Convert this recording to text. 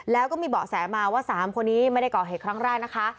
แล้วก็มีเบาะแสมาว่า๓คนนี้ไม่ได้ก่อเหตุครั้งแรกนะคะ